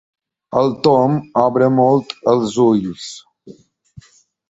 El Tom obre molt els ulls.